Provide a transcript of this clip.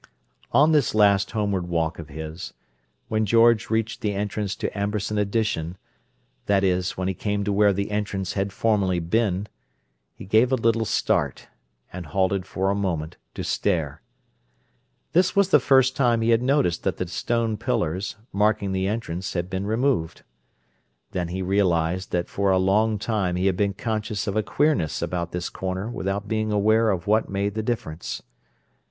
On this last homeward walk of his, when George reached the entrance to Amberson Addition—that is, when he came to where the entrance had formerly been—he gave a little start, and halted for a moment to stare. This was the first time he had noticed that the stone pillars, marking the entrance, had been removed. Then he realized that for a long time he had been conscious of a queerness about this corner without being aware of what made the difference.